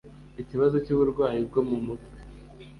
ikibazo cy uburwayi bwo mu mutwe